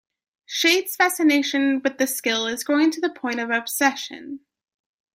Chade's fascination with the Skill is growing to the point of obsession.